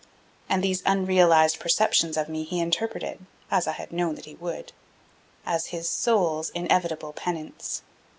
And these unrealized perceptions of me he interpreted, as I had known that he would, as his soul's inevitable penance.